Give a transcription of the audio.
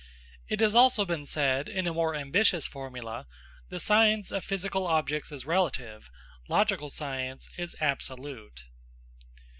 It has also been said, in a more ambitious formula, "The science of physical objects is relative; logical science is absolute."